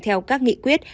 theo các nghị quyết